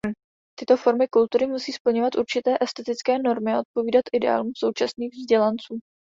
Tyto formy kultury musí splňovat určité estetické normy a odpovídat ideálům současných vzdělanců.